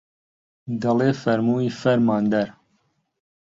دەڵێ فەرمووی فەرماندەر